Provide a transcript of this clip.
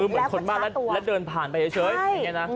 เหมือนคนมากแล้วเดินผ่านไปเฉยอย่างนี้นะ